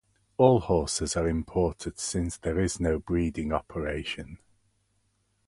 All horses are imported since there is no breeding operation.